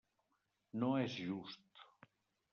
No és just.